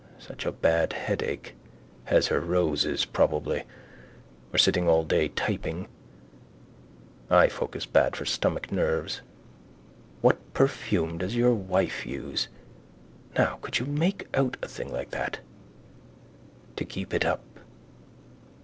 Such a bad headache. Has her roses probably. Or sitting all day typing. Eyefocus bad for stomach nerves. What perfume does your wife use. Now could you make out a thing like that? To keep it up.